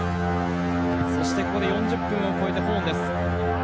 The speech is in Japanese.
そして、ここで４０分を超えたホーンです。